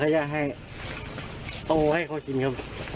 ต้องให้เขากินครับ